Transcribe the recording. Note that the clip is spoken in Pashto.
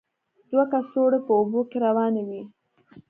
دوه کڅوړې په اوبو کې روانې وې.